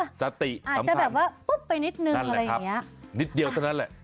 สติอาจจะแบบว่าปุ๊บไปนิดนึงอะไรอย่างเงี้ยนิดเดียวเท่านั้นแหละ